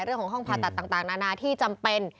เรื่องของห้องผ่าตัดต่างนานาที่จำเป็น